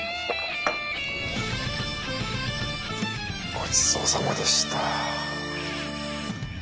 ごちそうさまでした。